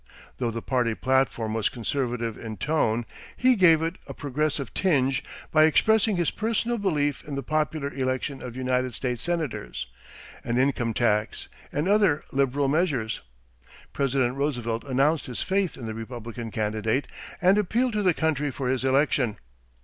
Though the party platform was conservative in tone, he gave it a progressive tinge by expressing his personal belief in the popular election of United States Senators, an income tax, and other liberal measures. President Roosevelt announced his faith in the Republican candidate and appealed to the country for his election.